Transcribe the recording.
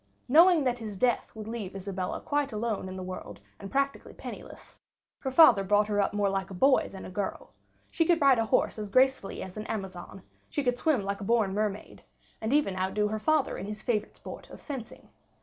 Knowing that his death would leave Isabella quite alone in the world and practically penniless, her father brought her up more like a boy than a girl; she could ride a horse as gracefully as an Amazon, she could swim like a born mermaid, and even outdo her father in his favorite sport of fencing.